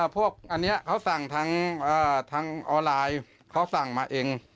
พวกอันนี้เขาสั่งทางออนไลน์เขาสั่งมาเอง